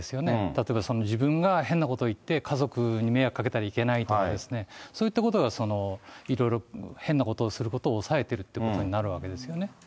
例えば、自分が変なことを言って、家族に迷惑かけてはいけないとか、そういったことが、いろいろ変なことをすることを抑えてるってことになるわけですね。